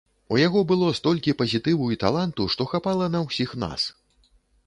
У яго было столькі пазітыву і таланту, што хапала на ўсіх нас.